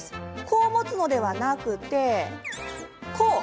こう持つのではなくて、こう。